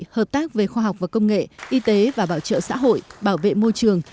hợp tác về khoa học và công nghệ y tế và bảo trợ xã hội bảo vệ môi trường